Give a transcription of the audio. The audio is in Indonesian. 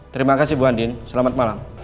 terima kasih bu andin selamat malam